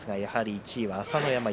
１位は朝乃山です。